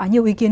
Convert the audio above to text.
nhiều ý kiến